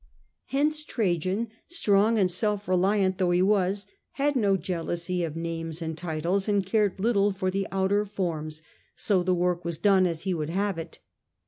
Hence Trajan, strong and self reliant though he was, had no jealousy of names and titles, and cared little for the outer forms, so the work was done as he would have it.